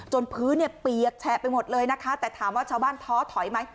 พื้นเนี่ยเปียกแฉะไปหมดเลยนะคะแต่ถามว่าชาวบ้านท้อถอยไหม